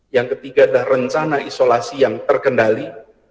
yang ketiga adalah rencana isolasi yang terkendali